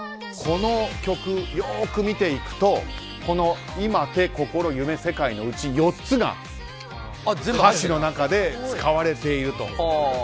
この曲、よく見ていくと今、手、心、夢、世界のうち４つが歌詞の中で使われていると。